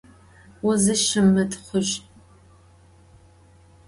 Vuzışımıtxhuj.